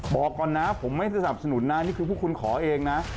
บอกก่อนนะผมไม่สนับสนุนนะนี่คือพวกคุณขอเองนะ